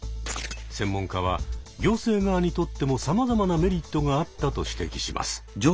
専門家は行政側にとっても様々なメリットがあったと指摘します。